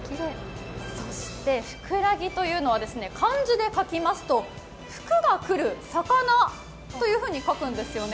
そしてフクラギというのは漢字で書きますと福が来る魚と書くんですよね。